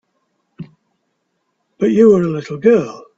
But you were a little girl.